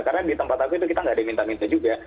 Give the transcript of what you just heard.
karena di tempat aku itu kita nggak ada minta minta juga